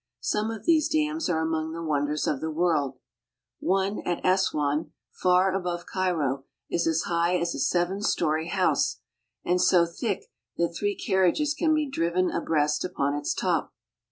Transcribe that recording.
Some of these dams are among the wonders of the world. One at Assuan (as swan'), far above Cairo, is as high as a seven story house, and so thick that three carriages can be driven abreast upon its top.